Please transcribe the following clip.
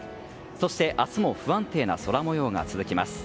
そして明日も不安定な空模様が続きます。